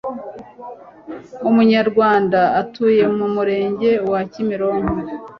umunyarwanda utuye mu murenge wa kimironko